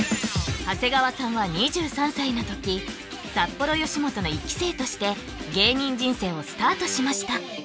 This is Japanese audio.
長谷川さんは２３歳の時札幌よしもとの一期生として芸人人生をスタートしました